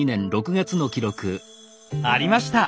ありました！